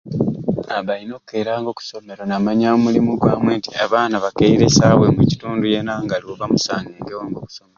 Abba alina okukeeranga okusomero n'amanya omulimu gwamwe nti abaana bakeire ku saawa emwei kitundu yeena nga aliwo bamusangewo mbe okusomero.